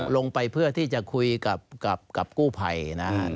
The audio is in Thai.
ลงไปเพื่อที่จะคุยกับกู้ภัยนะครับ